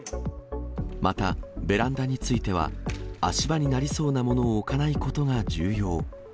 また、ベランダについては、足場になりそうなものを置かないことが重要。